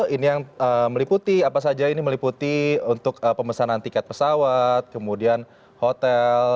ini yang meliputi apa saja ini meliputi untuk pemesanan tiket pesawat kemudian hotel